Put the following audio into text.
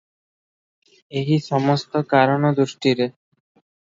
ଏହି ସମସ୍ତ କାରଣ ଦୃଷ୍ଟିରେ ।